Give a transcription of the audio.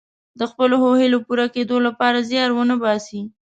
د خپلو ښو هیلو پوره کیدو لپاره زیار ونه باسي.